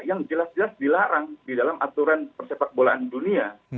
yang jelas jelas dilarang di dalam aturan persepak bolaan dunia